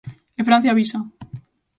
E Francia avisa.